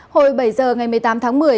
hồi bảy giờ ngày một mươi tám tháng một mươi